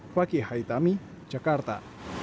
fakih haitami jakarta